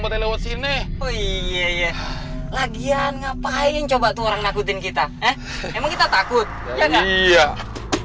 buat lewat sini oh iya lagian ngapain coba tuh orang nakutin kita emang kita takut